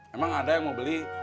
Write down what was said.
memang ada yang mau beli